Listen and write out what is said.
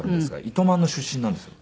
糸満の出身なんですよ。